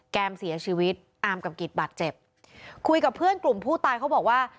มเสียชีวิตอาร์มกับกิจบาดเจ็บคุยกับเพื่อนกลุ่มผู้ตายเขาบอกว่า